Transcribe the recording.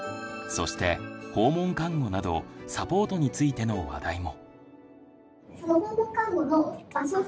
そして訪問看護などサポートについての話題も。